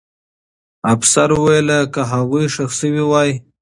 افسر وویل چې که هغوی ښخ سوي وای.